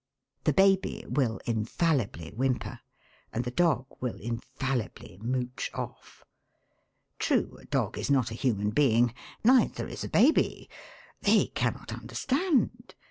The baby will infallibly whimper, and the dog will infallibly mouch off. True, a dog is not a human being, neither is a baby. They cannot understand.